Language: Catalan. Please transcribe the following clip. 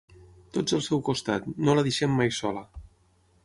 Tots al seu costat, no la deixem mai sola.